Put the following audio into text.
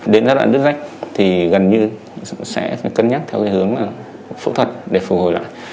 đến giai đoạn đứt rách thì gần như sẽ cân nhắc theo cái hướng là phẫu thuật để phù hồi lại